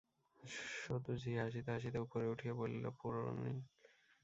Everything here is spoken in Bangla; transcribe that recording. সদু ঝি হাসিতে হাসিতে উপরে উঠিয়া বলিল, পোড়ানি!